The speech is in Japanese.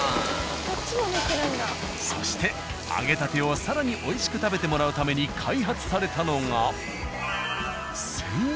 そして揚げたてを更に美味しく食べてもらうために開発されたのが。